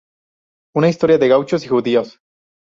Una historia de gauchos y judíos.